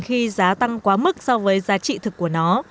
khi giá tăng quá mức so với giá trị thực của nó